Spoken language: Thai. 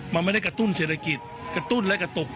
มันไม่ได้กระตุ้นเศรษฐกิจกระตุ้นและกระตุก